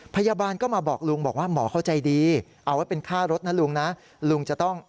พยาบาลก็มาบอกลุงบอกว่าหมอเขาใจดีเอาไว้เป็นค่ารถนะลุงนะลุงจะต้อง